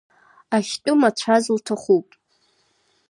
Ахьтәы мацәаз лҭахуп.